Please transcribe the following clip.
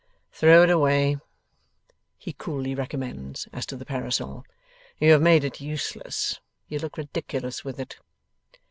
'Throw it away,' he coolly recommends as to the parasol; 'you have made it useless; you look ridiculous with it.